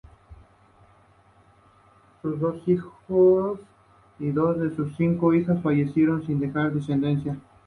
Sus dos hijos, y dos de sus cinco hijas, fallecieron sin dejar descendencia.